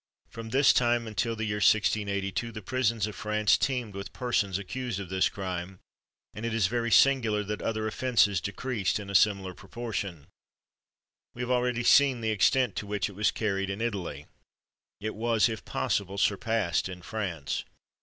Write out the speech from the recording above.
From this time until the year 1682, the prisons of France teemed with persons accused of this crime; and it is very singular that other offences decreased in a similar proportion. We have already seen the extent to which it was carried in Italy. It was, if possible, surpassed in France.